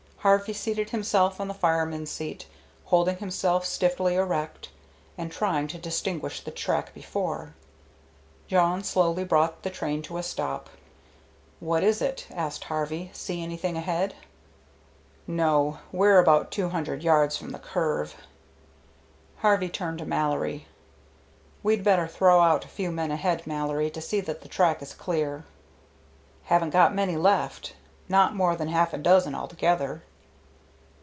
Harvey seated himself on the fireman's seat, holding himself stiffly erect and trying to distinguish the track before. Jawn slowly brought the train to a stop. "What is it?" asked Harvey. "See anything ahead?" "No. We're about two hundred yards from the curve." Harvey turned to Mallory. "We'd better throw out a few men ahead, Mallory, to see that the track is clear." "Haven't got many left, not more than half a dozen altogether."